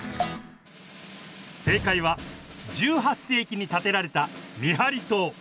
正解は１８世紀に建てられた「見張り塔」。